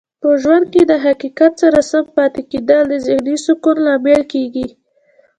په ژوند کې د حقیقت سره سم پاتې کیدل د ذهنې سکون لامل کیږي.